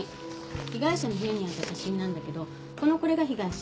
被害者の部屋にあった写真なんだけどこのこれが被害者。